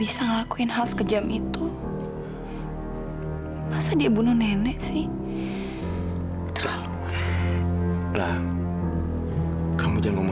sampai jumpa di video selanjutnya